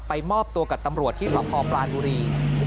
มอบตัวกับตำรวจที่สพปลานบุรี